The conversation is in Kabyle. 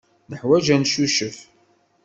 Neḥwaj ad neccucef.